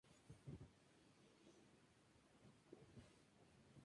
El ion cianuro tiene tres propósitos diferentes en el curso de esta reacción.